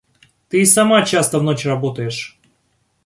Ты и сама часто в ночь работаешь.